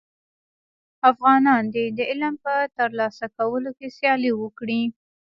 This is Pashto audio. افغانان دي د علم په تر لاسه کولو کي سیالي وکړي.